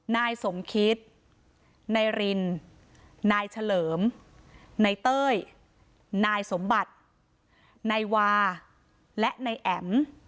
นายสมคิดนายรินนายเฉลิมนายเต้ยนายสมบัตินายวาและนายแอ๋ม